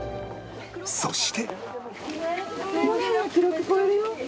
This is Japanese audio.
そして